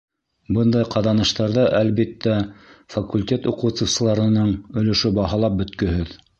Бындай ҡаҙаныштарҙа, әлбиттә, факультет уҡытыусыларының өлөшө баһалап бөткөһөҙ.